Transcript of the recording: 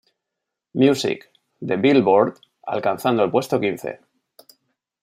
Music" de Billboard, alcanzando el puesto quince.